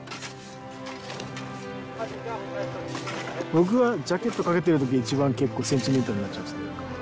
僕はジャケットかけてる時が一番結構センチメンタルになっちゃいます。